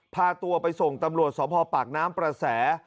พาตัวไปส่งตำรวจสภปากน้ำประแส